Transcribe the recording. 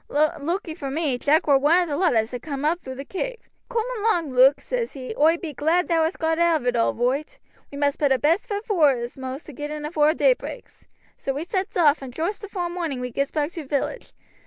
Looky for me, Jack war one of the lot as had coom up through the cave. 'Coom along, Luke,' says he, 'oi be glad thou hast got out of it all roight. We must put our best foot foremost to get in afore day breaks.' So we sets off, and joost afore morning we gets back to village.